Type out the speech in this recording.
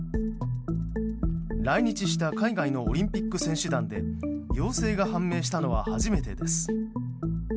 来日した海外のオリンピック選手団で陽性が判明したのは初めてです。